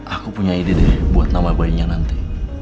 aku punya ide deh buat nama bayinya nanti